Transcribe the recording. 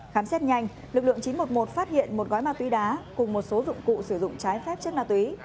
khám xét nhanh lực lượng chín trăm một mươi một phát hiện một gói ma túy đá cùng một số dụng cụ sử dụng trái phép chất ma túy